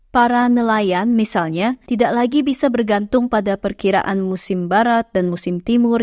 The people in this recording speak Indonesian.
para nelayan misalnya tidak lagi bisa bergantung pada perkiraan musim barat dan musim timur